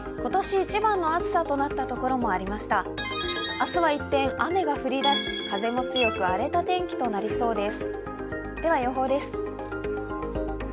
明日は一転、雨が降り出し風も強く荒れた天気となりそうです。